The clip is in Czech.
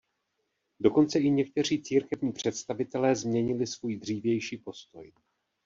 Dokonce i někteří církevní představitelé změnili svůj dřívější postoj.